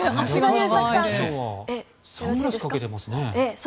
サングラスをかけていますね。